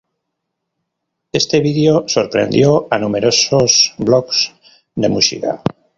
Este vídeo sorprendió a numerosos blogs de música.